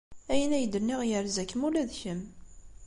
Ayen ay d-nniɣ yerza-kem ula d kemm.